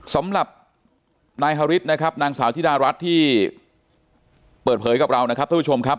สำหรับนายฮาริสนะครับนางสาวธิดารัฐที่เปิดเผยกับเรานะครับท่านผู้ชมครับ